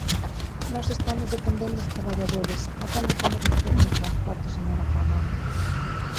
Nós estamos defendendo os traballadores; ¿a quen defende vostede no transporte, señora Caamaño?